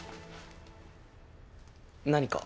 何か？